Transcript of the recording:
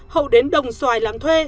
hậu đến đồng xoài làm thuê